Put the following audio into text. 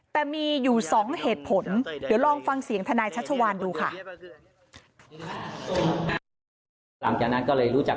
แต่มีอยู่๒เหตุผลเดี๋ยวลองฟังเสียงทนายชัชวานดูค่ะ